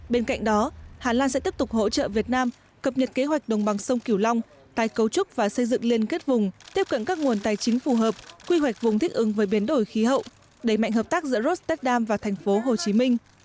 bên cạnh đó hà lan sẽ tiếp tục hỗ trợ việt nam cập nhật kế hoạch đồng bằng sông kiều long tài cấu trúc và xây dựng liên kết vùng tiếp cận các nguồn tài chính phù hợp quy hoạch vùng thích ứng với biến đổi khí hậu đẩy mạnh hợp tác giữa rost tech dam và thành phố hồ chí minh